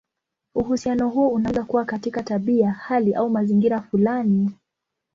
Uhusiano huo unaweza kuwa katika tabia, hali, au mazingira fulani.